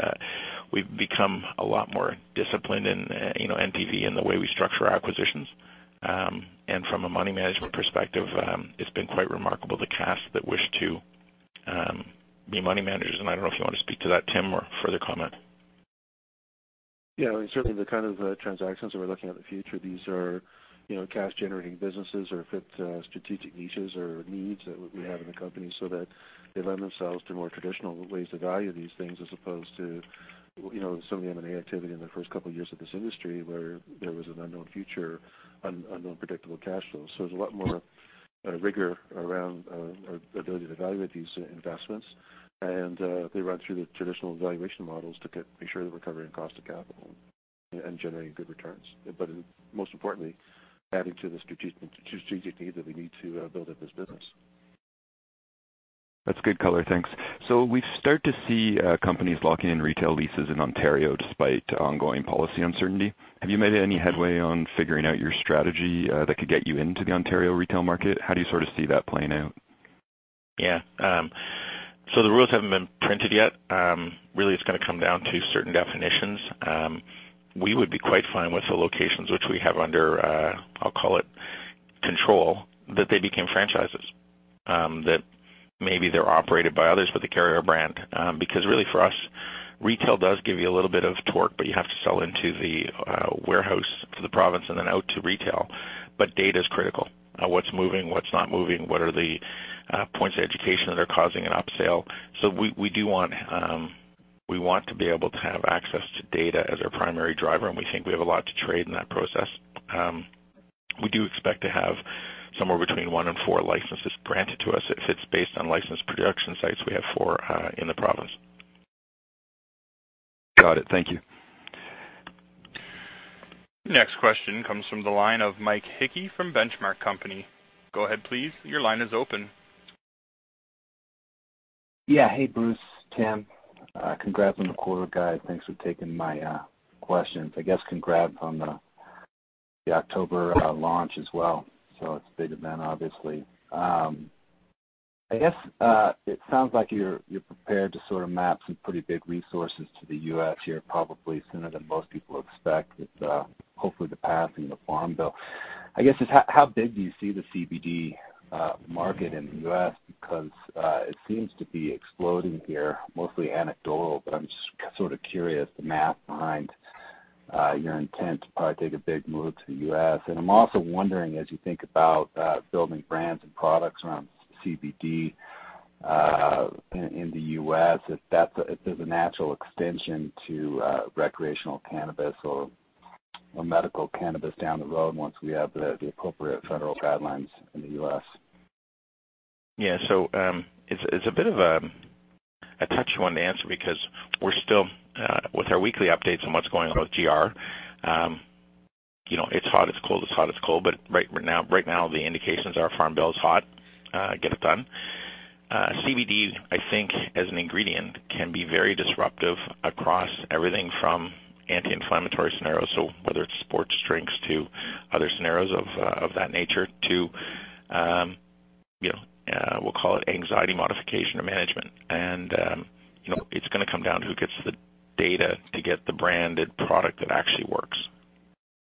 we've become a lot more disciplined in NPV and the way we structure our acquisitions. From a money management perspective, it's been quite remarkable, the cash that wish to be money managers. I don't know if you want to speak to that, Tim, or further comment. Certainly the kind of transactions that we're looking at in the future, these are cash generating businesses or fit strategic niches or needs that we have in the company so that they lend themselves to more traditional ways to value these things, as opposed to some of the M&A activity in the first couple of years of this industry, where there was an unknown future, unknown predictable cash flow. There's a lot more rigor around our ability to evaluate these investments. They run through the traditional valuation models to make sure that we're covering cost of capital and generating good returns. Most importantly, adding to the strategic need that we need to build up this business. That's good color. Thanks. We start to see companies locking in retail leases in Ontario despite ongoing policy uncertainty. Have you made any headway on figuring out your strategy that could get you into the Ontario retail market? How do you sort of see that playing out? The rules haven't been printed yet. Really, it's going to come down to certain definitions. We would be quite fine with the locations which we have under, I'll call it, control, that they became franchises. That maybe they're operated by others, but they carry our brand. Really, for us, retail does give you a little bit of torque, but you have to sell into the warehouse for the province and then out to retail. Data is critical. What's moving, what's not moving, what are the points of education that are causing an up-sale. We want to be able to have access to data as our primary driver, and we think we have a lot to trade in that process. We do expect to have somewhere between one and four licenses granted to us if it's based on licensed production sites. We have four in the province. Got it. Thank you. Next question comes from the line of Mike Hickey from Benchmark Company. Go ahead, please. Your line is open. Yeah. Hey, Bruce, Tim. Congrats on the quarter, guys. Thanks for taking my questions. I guess congrats on the October launch as well. It's a big event, obviously. I guess it sounds like you're prepared to sort of map some pretty big resources to the U.S. here, probably sooner than most people expect with hopefully the passing the Farm Bill. I guess, just how big do you see the CBD market in the U.S.? Because it seems to be exploding here, mostly anecdotal, but I'm just sort of curious, the math behind your intent to probably take a big move to the U.S. I'm also wondering, as you think about building brands and products around CBD in the U.S., if there's a natural extension to recreational cannabis or medical cannabis down the road once we have the appropriate federal guidelines in the U.S. Yeah. It's a bit of a touchy one to answer because we're still with our weekly updates on what's going on with [GR]. It's hot, it's cold, it's hot, it's cold, but right now the indications are Farm Bill's hot. Get it done. CBD, I think as an ingredient, can be very disruptive across everything from anti-inflammatory scenarios. Whether it's sports drinks to other scenarios of that nature to, we'll call it anxiety modification or management. It's going to come down to who gets the data to get the branded product that actually works.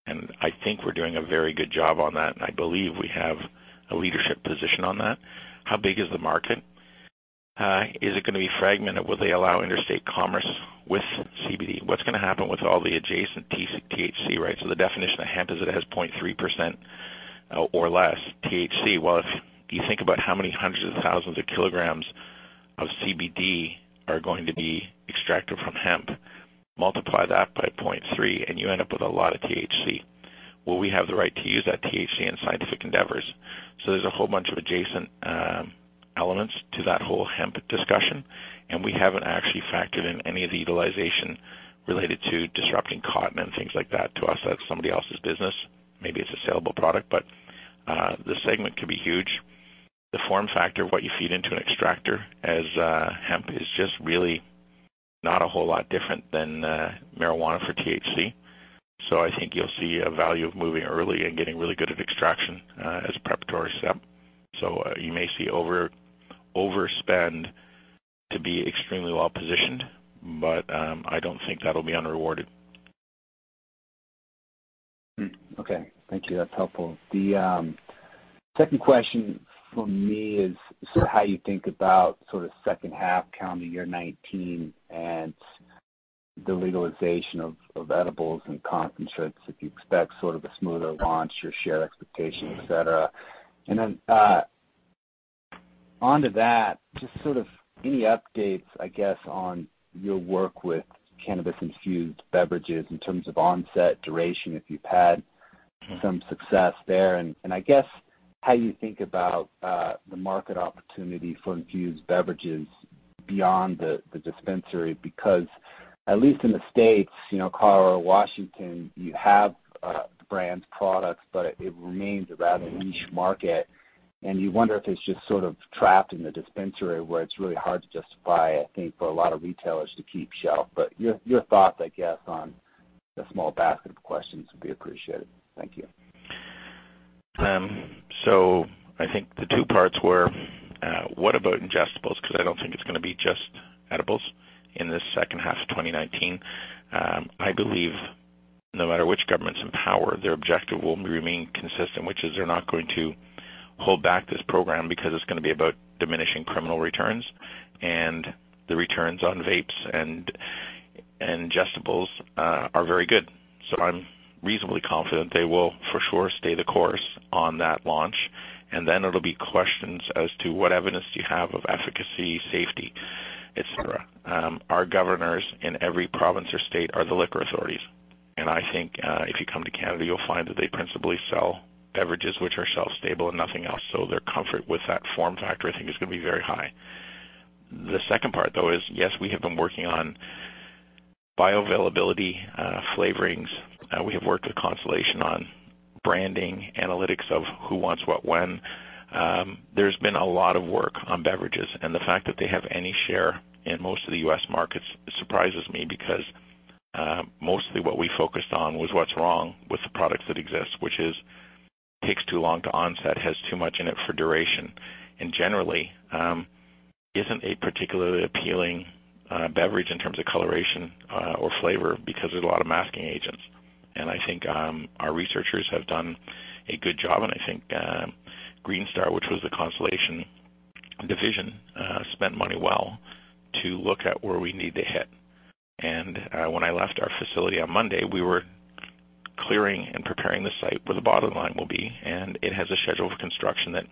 I think we're doing a very good job on that, and I believe we have a leadership position on that. How big is the market? Is it going to be fragmented? Will they allow interstate commerce with CBD? What's going to happen with all the adjacent THC, right? The definition of hemp is it has 0.3% or less THC. If you think about how many hundreds of thousands of kilograms of CBD are going to be extracted from hemp, multiply that by 0.3 and you end up with a lot of THC. We have the right to use that THC in scientific endeavors. There's a whole bunch of adjacent elements to that whole hemp discussion, and we haven't actually factored in any of the utilization related to disrupting cotton and things like that. To us, that's somebody else's business. Maybe it's a saleable product, but the segment could be huge. The form factor of what you feed into an extractor as hemp is just really not a whole lot different than marijuana for THC. I think you'll see a value of moving early and getting really good at extraction as a preparatory step. You may see overspend to be extremely well-positioned, but I don't think that'll be unrewarded. Okay. Thank you. That's helpful. The second question from me is, how you think about second half calendar year 2019 and the legalization of edibles and concentrates, if you expect a smoother launch or share expectations, et cetera. Onto that, just any updates, I guess, on your work with cannabis-infused beverages in terms of onset, duration, if you've had some success there. I guess how you think about the market opportunity for infused beverages beyond the dispensary. Because at least in the U.S., Colorado or Washington, you have the brand's products, but it remains a rather niche market, and you wonder if it's just trapped in the dispensary where it's really hard to justify, I think, for a lot of retailers to keep shelf. Your thoughts, I guess, on the small basket of questions would be appreciated. Thank you. I think the two parts were, what about ingestibles? Because I don't think it's going to be just edibles in this second half of 2019. I believe no matter which government's in power, their objective will remain consistent, which is they're not going to hold back this program because it's going to be about diminishing criminal returns and the returns on vapes and ingestibles are very good. I'm reasonably confident they will for sure stay the course on that launch, and then it'll be questions as to what evidence do you have of efficacy, safety, et cetera. Our governors in every province or state are the liquor authorities, and I think, if you come to Canada, you'll find that they principally sell beverages which are shelf-stable and nothing else. Their comfort with that form factor, I think, is going to be very high. The second part, though, is, yes, we have been working on bioavailability, flavorings. We have worked with Constellation on branding, analytics of who wants what when. There's been a lot of work on beverages, and the fact that they have any share in most of the U.S. markets surprises me because, mostly what we focused on was what's wrong with the products that exist, which is takes too long to onset, has too much in it for duration, and generally, isn't a particularly appealing beverage in terms of coloration or flavor because there's a lot of masking agents. I think our researchers have done a good job, and I think Greenstar, which was the Constellation division, spent money well to look at where we need to hit. When I left our facility on Monday, we were clearing and preparing the site where the bottling line will be, and it has a schedule for construction that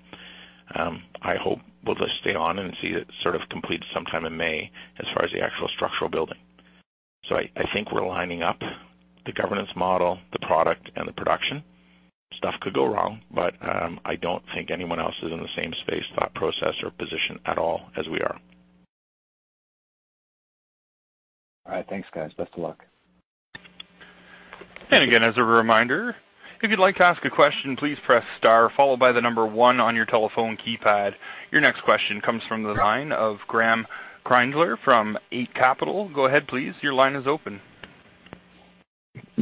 I hope we'll just stay on and see it complete sometime in May as far as the actual structural building. I think we're lining up the governance model, the product and the production. Stuff could go wrong, but I don't think anyone else is in the same space, thought process or position at all as we are. All right. Thanks, guys. Best of luck. As a reminder, if you'd like to ask a question, please press star followed by the number one on your telephone keypad. Your next question comes from the line of Graeme Kreindler from Eight Capital. Go ahead, please. Your line is open.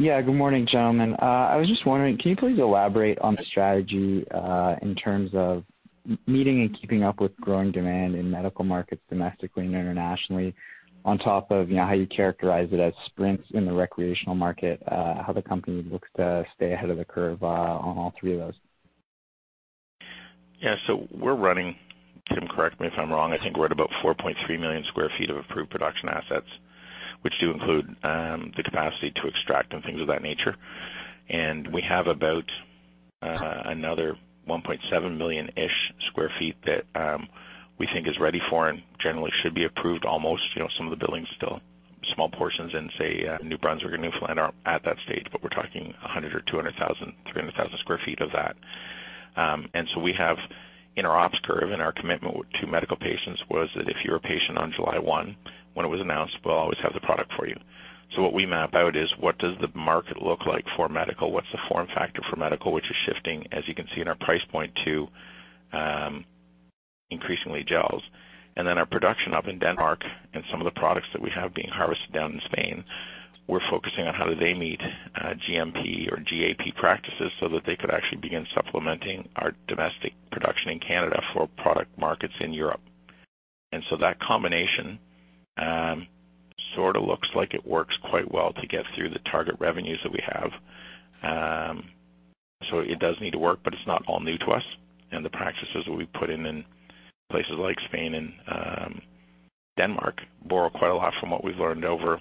Good morning, gentlemen. I was just wondering, can you please elaborate on the strategy, in terms of meeting and keeping up with growing demand in medical markets domestically and internationally on top of how you characterize it as sprints in the recreational market, how the company looks to stay ahead of the curve on all three of those? We're running, Tim, correct me if I'm wrong, I think we're at about 4.3 million sq ft of approved production assets, which do include the capacity to extract and things of that nature. We have about another 1.7 million-ish sq ft that we think is ready for and generally should be approved almost. Some of the buildings still, small portions in, say, New Brunswick or Newfoundland aren't at that stage, but we're talking 100,000 or 200,000, 300,000 sq ft of that. We have in our ops curve and our commitment to medical patients was that if you're a patient on July 1, when it was announced, we'll always have the product for you. What we map out is what does the market look like for medical, what's the form factor for medical, which is shifting, as you can see in our price point to increasingly gels. Our production up in Denmark and some of the products that we have being harvested down in Spain, we're focusing on how do they meet GMP or GAP practices so that they could actually begin supplementing our domestic production in Canada for product markets in Europe. That combination sort of looks like it works quite well to get through the target revenues that we have. It does need to work, but it's not all new to us. The practices that we put in in places like Spain and Denmark borrow quite a lot from what we've learned over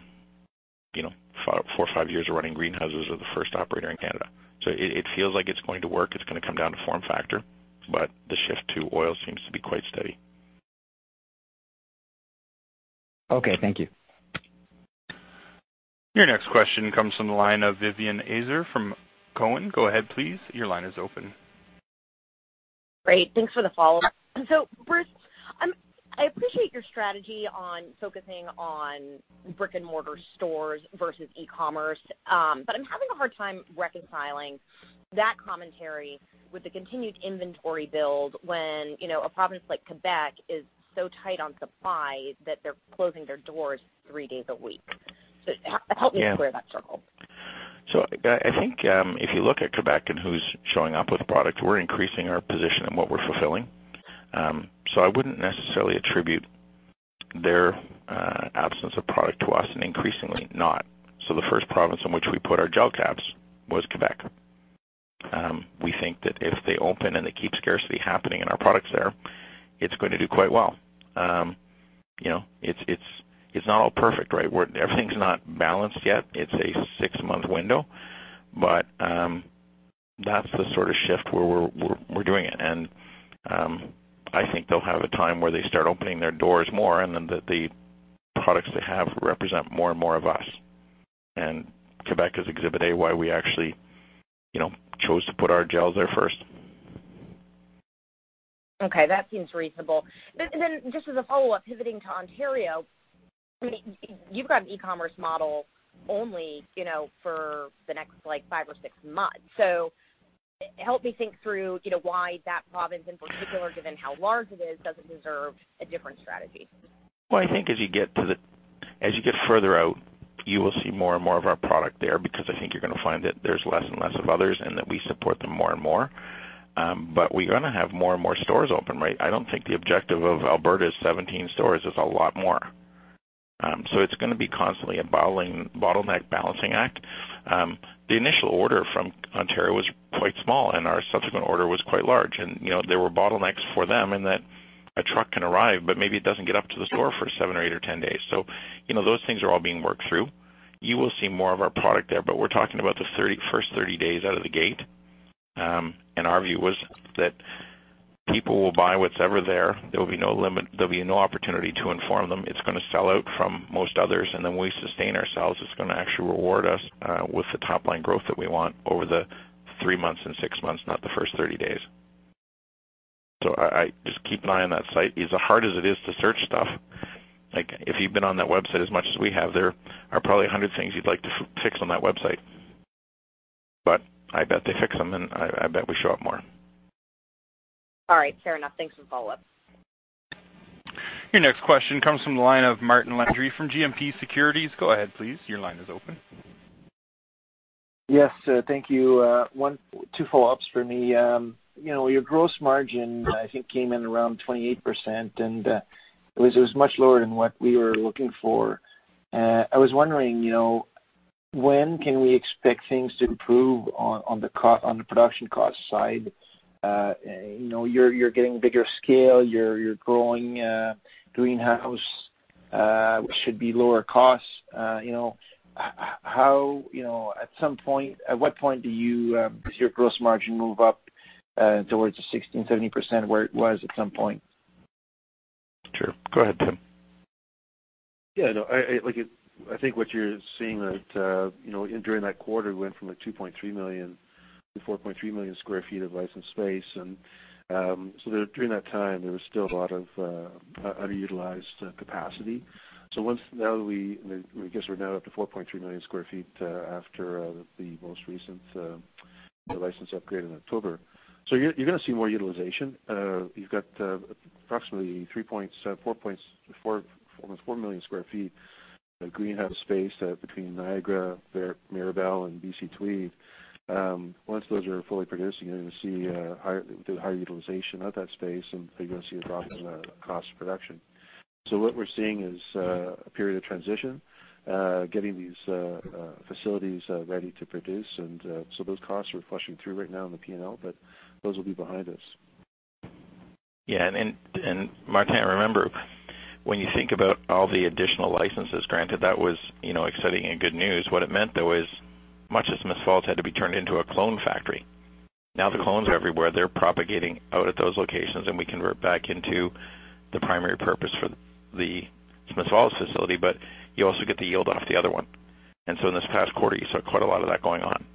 four or five years of running greenhouses are the first operator in Canada. It feels like it's going to work, it's going to come down to form factor, but the shift to oil seems to be quite steady. Okay, thank you. Your next question comes from the line of Vivien Azer from Cowen. Go ahead, please. Your line is open. Great. Thanks for the follow-up. Bruce, I appreciate your strategy on focusing on brick-and-mortar stores versus e-commerce. I'm having a hard time reconciling that commentary with the continued inventory build when, a province like Quebec is so tight on supply that they're closing their doors three days a week. Help me. Yeah square that circle. I think, if you look at Quebec and who's showing up with product, we're increasing our position in what we're fulfilling. I wouldn't necessarily attribute their absence of product to us and increasingly not. The first province in which we put our gel caps was Quebec. We think that if they open and they keep scarcity happening in our products there, it's going to do quite well. It's not all perfect, right? Everything's not balanced yet. It's a six-month window. That's the sort of shift where we're doing it. I think they'll have a time where they start opening their doors more, and then the products they have represent more and more of us. Quebec is Exhibit A why we actually chose to put our gels there first. Okay. That seems reasonable. Just as a follow-up, pivoting to Ontario, you've got an e-commerce model only for the next five or six months. Help me think through why that province in particular, given how large it is, doesn't deserve a different strategy. I think as you get further out, you will see more and more of our product there because I think you're going to find that there's less and less of others and that we support them more and more. We are going to have more and more stores open, right? I don't think the objective of Alberta's 17 stores is a lot more. It's going to be constantly a bottleneck balancing act. The initial order from Ontario was quite small and our subsequent order was quite large. There were bottlenecks for them and that a truck can arrive, but maybe it doesn't get up to the store for seven or eight or 10 days. Those things are all being worked through. You will see more of our product there, but we're talking about the first 30 days out of the gate. Our view was that people will buy what's ever there. There'll be no limit. There'll be no opportunity to inform them. It's going to sell out from most others, and then we sustain ourselves. It's going to actually reward us with the top-line growth that we want over the three months and six months, not the first 30 days. I just keep an eye on that site. As hard as it is to search stuff, if you've been on that website as much as we have, there are probably 100 things you'd like to fix on that website. I bet they fix them and I bet we show up more. All right, fair enough. Thanks for the follow-up. Your next question comes from the line of Martin Landry from GMP Securities. Go ahead, please. Your line is open. Yes, thank you. Two follow-ups for me. Your gross margin, I think came in around 28%. It was much lower than what we were looking for. I was wondering, when can we expect things to improve on the production cost side? You're getting bigger scale, you're growing greenhouse, which should be lower cost. At what point does your gross margin move up, towards the 60%-70% where it was at some point? Sure. Go ahead, Tim. Yeah, no, I think what you're seeing that during that quarter, we went from a 2.3 million to 4.3 million sq ft of licensed space. During that time, there was still a lot of underutilized capacity. I guess we're now up to 4.3 million sq ft after the most recent license upgrade in October. You're going to see more utilization. You've got approximately almost 4 million sq ft of greenhouse space between Niagara, Mirabel, and BC Tweed. Once those are fully producing, you're going to see the higher utilization of that space and you're going to see a drop in cost of production. What we're seeing is a period of transition, getting these facilities ready to produce and, those costs are flushing through right now in the P&L, but those will be behind us. Yeah. Martin, I remember when you think about all the additional licenses granted, that was exciting and good news. What it meant, though, is much of Smiths Falls had to be turned into a clone factory. Now the clones are everywhere. They're propagating out at those locations and we convert back into the primary purpose for the Smiths Falls facility, but you also get the yield off the other one. In this past quarter, you saw quite a lot of that going on.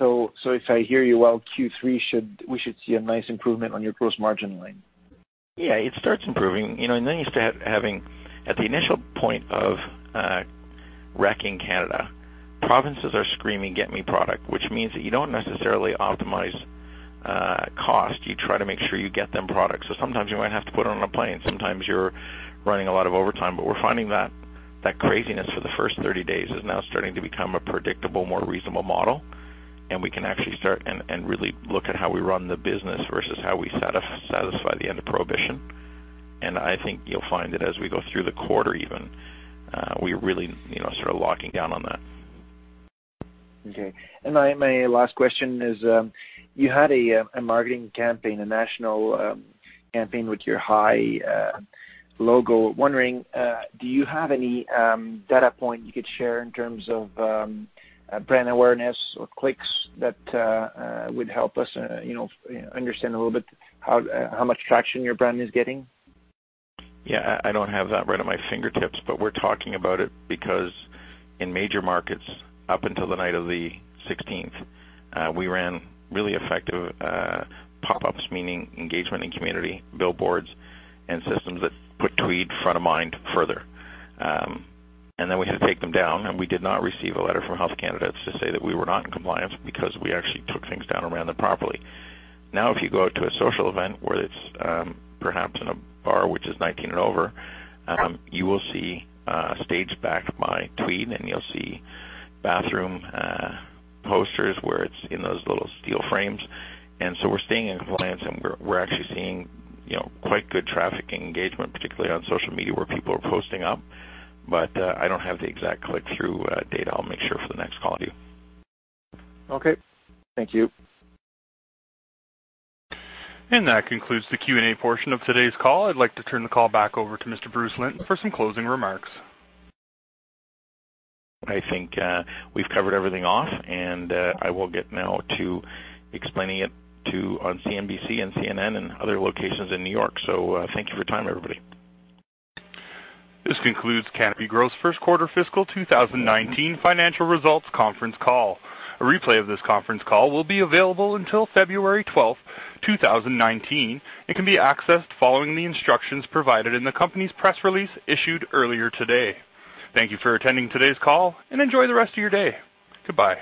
If I hear you well, Q3 we should see a nice improvement on your gross margin line. Yeah, it starts improving. At the initial point of rec in Canada, provinces are screaming, "Get me product," which means that you don't necessarily optimize cost. You try to make sure you get them product. Sometimes you might have to put it on a plane. Sometimes you're running a lot of overtime. We're finding that that craziness for the first 30 days is now starting to become a predictable, more reasonable model, and we can actually start and really look at how we run the business versus how we satisfy the end of prohibition. I think you'll find that as we go through the quarter even, we really start locking down on that. Okay. My last question is, you had a marketing campaign, a national campaign with your Hi. logo. Wondering, do you have any data point you could share in terms of brand awareness or clicks that would help us understand a little bit how much traction your brand is getting? Yeah. I don't have that right at my fingertips, but we're talking about it because in major markets, up until the night of the 16th, we ran really effective pop-ups, meaning engagement in community, billboards, and systems that put Tweed front of mind further. Then we had to take them down, and we did not receive a letter from Health Canada to say that we were not in compliance because we actually took things down and ran them properly. Now, if you go to a social event, whether it's perhaps in a bar, which is 19 and over, you will see a stage backed by Tweed, and you'll see bathroom posters where it's in those little steel frames. We're staying in compliance, and we're actually seeing quite good traffic engagement, particularly on social media where people are posting up. I don't have the exact click-through data. I'll make sure for the next call to you. Okay. Thank you. That concludes the Q&A portion of today's call. I'd like to turn the call back over to Mr. Bruce Linton for some closing remarks. I think we've covered everything off, and I will get now to explaining it to on CNBC and CNN and other locations in New York. Thank you for your time, everybody. This concludes Canopy Growth's second quarter fiscal 2019 financial results conference call. A replay of this conference call will be available until February 12th, 2019, and can be accessed following the instructions provided in the company's press release issued earlier today. Thank you for attending today's call, and enjoy the rest of your day. Goodbye.